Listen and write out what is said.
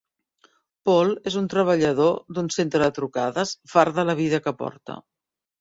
Paul és un treballador d'un centre de trucades, fart de la vida que porta.